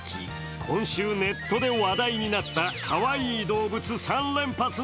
今週、ネットで話題になったかわいい動物３連発。